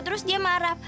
terus dia marah